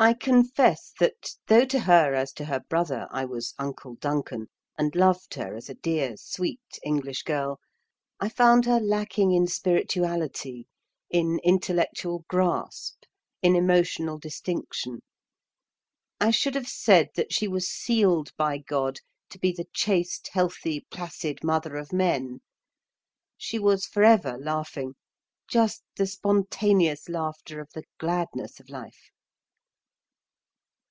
I confess that, though to her as to her brother I was "Uncle Duncan," and loved her as a dear, sweet English girl, I found her lacking in spirituality, in intellectual grasp, in emotional distinction. I should have said that she was sealed by God to be the chaste, healthy, placid mother of men. She was forever laughing just the spontaneous laughter of the gladness of life.